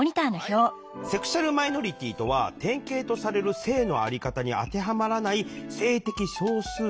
セクシュアルマイノリティーとは典型とされる性のあり方に当てはまらない性的少数者のことです。